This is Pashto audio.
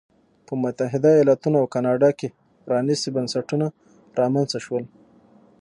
په متحده ایالتونو او کاناډا کې پرانیستي بنسټونه رامنځته شول.